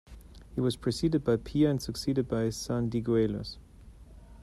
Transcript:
He was preceded by Pir and succeeded by his son Digueillus.